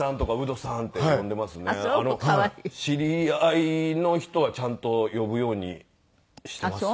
知り合いの人はちゃんと呼ぶようにしてますね。